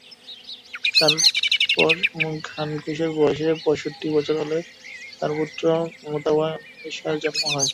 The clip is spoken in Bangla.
তারপর খানূখের বয়স পঁয়ষট্টি বছর হলে তার পুত্র মুতাওয়াশশালিহ-এর জন্ম হয়।